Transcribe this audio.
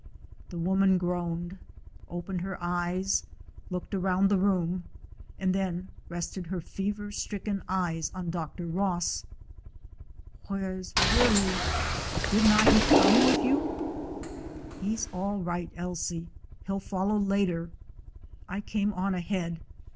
The woman groaned, opened her eyes, looked around the room, and then rested her fever stricken eyes on Dr. Ross. "Where 's Willie? Didna' he come with you?" "He 's all right, Ailsie. He 'll follow later. 145 DOG HEROES OF MANY LANDS I came on ahead.